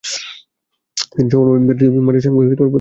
তিনি সফলভাবে ফরাসি রেসের মাঠে এই পদ্ধতি আনয়ন করেন।